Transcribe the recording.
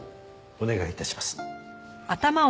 お願い致します。